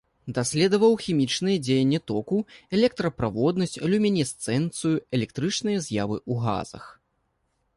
Даследаваў хімічнае дзеянне току, электраправоднасць, люмінесцэнцыю, электрычныя з'явы ў газах.